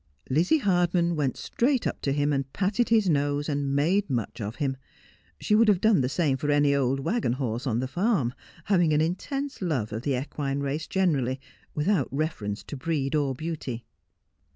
Lizzie Hardman went straight up to him and patted his nose, and made much of him. She would have done the same for any old waggon horse on the farm, having an intense love of the equine race generally, without reference to breed or beauty.